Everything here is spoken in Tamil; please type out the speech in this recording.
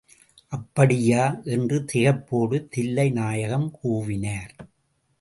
அப்படியா? என்று திகைப்போடு தில்லை நாயகம் கூவினார்.